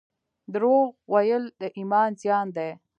درواغ ویل د ایمان زیان دی